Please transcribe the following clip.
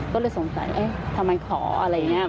ก็เลยสงสัยเอ๊ะทำไมขออะไรอย่างนี้